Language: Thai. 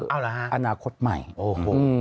อ้าวเหรอฮะอาณาคตใหม่โอ้โฮ